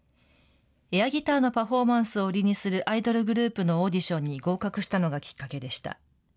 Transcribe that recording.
エアギターのパフォーマンスを売りにするアイドルグループのオーディションに合格したのがきっかけでした。